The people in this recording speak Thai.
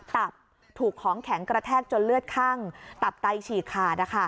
ตับถูกของแข็งกระแทกจนเลือดคั่งตับไตฉีกขาด